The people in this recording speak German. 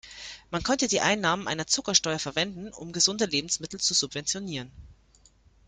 Man könnte die Einnahmen einer Zuckersteuer verwenden, um gesunde Lebensmittel zu subventionieren.